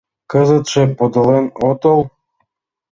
— Кызытше подылын отыл?